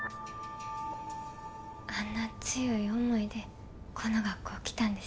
あんな強い思いでこの学校来たんですね。